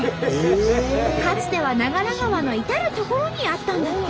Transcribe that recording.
かつては長良川の至る所にあったんだって。